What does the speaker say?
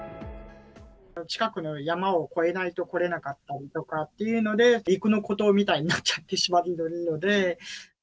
近くの山を越えないと来れなかったりとかっていうので、陸の孤島みたいになってしまっているので。